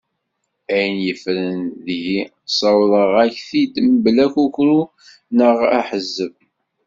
Ayen yeffren deg-i ssawḍeɣ-ak-t-id mebla akukru neɣ ahezzeb.